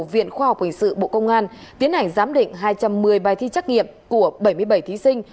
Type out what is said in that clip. viện khoa học quỳnh sự bộ công an tiến hành giám định hai trăm một mươi bài thi trắc nghiệm của bảy mươi bảy thí sinh